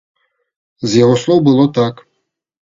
З яго слоў было так.